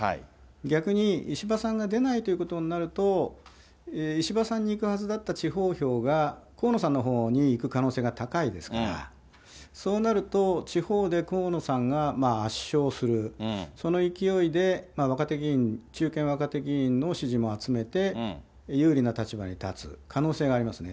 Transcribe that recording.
逆に、石破さんが出ないということになると、石破さんにいくはずだった地方票が河野さんのほうにいく可能性が高いですから、そうなると、地方で河野さんが圧勝する、その勢いで若手議員、中堅若手議員の支持も集めて、有利な立場に立つ可能性がありますよね。